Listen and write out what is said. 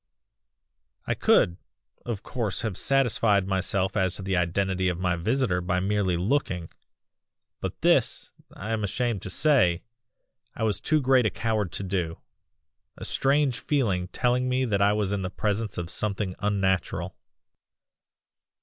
"I could, of course have satisfied myself as to the identity of my visitor by merely looking, but this, I am ashamed to say, I was too great a coward to do; a strange feeling telling me that I was in the presence of something unnatural.